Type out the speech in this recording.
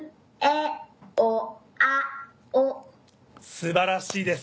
素晴らしいです